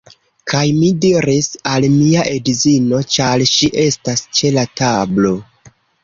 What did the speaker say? Kaj mi diris al mia edzino, ĉar ŝi estas ĉe la tablo: